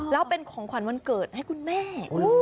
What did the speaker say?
แล้วเป็นของขวัญวันเกิดให้คุณแม่